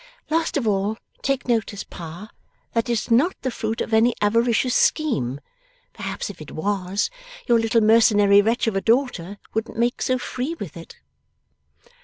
Last of all take notice, Pa, that it's not the fruit of any avaricious scheme. Perhaps if it was, your little mercenary wretch of a daughter wouldn't make so free with it!